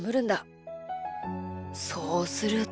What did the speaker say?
そうすると。